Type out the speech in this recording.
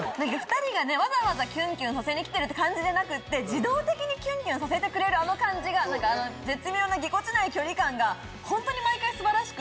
２人がわざわざキュンキュンさせに来てるって感じじゃなくて自動的にキュンキュンさせてくれるあの感じが絶妙なぎこちない距離感が毎回。